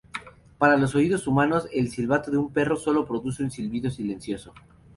Para los oídos humanos, el silbato de un perro solo produce un silbido silencioso.